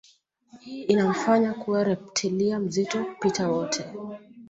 Hii inamfanya kuwa reptilia mzito kupita wote